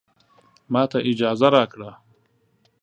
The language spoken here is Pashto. ماته اجازه راکړه